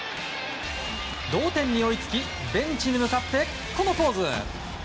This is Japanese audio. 同点に追いつきベンチに向かってこのポーズ。